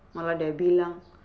malah udah bilang